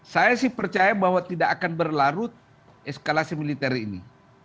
saya sih percaya bahwa tidak akan berlarut eskalasi militer ini